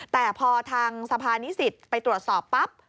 แต่พอทางสภานิสิตไปตรวจสอบปั๊บ